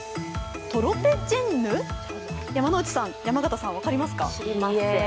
山内さん、山形さん、分かりますか？